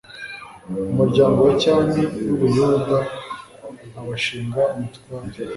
umuryango wa cyami w i buyuda abashinga umutware